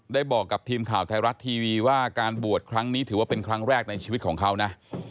บอกกับทีมข่าวไทยรัฐทีวีว่าการบวชครั้งนี้ถือว่าเป็นครั้งแรกในชีวิตของเขานะ